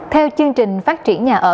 theo chương trình phát triển nhiệm vụ